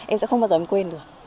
em sẽ không bao giờ quên được